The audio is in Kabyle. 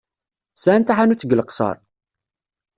Sɛan taḥanut deg Leqṣeṛ?